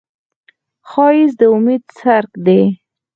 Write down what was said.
ښایست د امید څرک دی